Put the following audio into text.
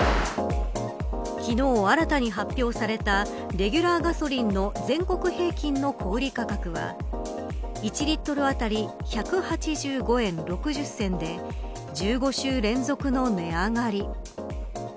昨日新たに発表されたレギュラーガソリンの全国平均の小売価格は１リットル当たり１８５円６０銭で１５週連続の値上がり。